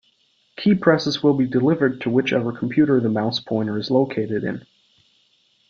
Key presses will be delivered to whichever computer the mouse-pointer is located in.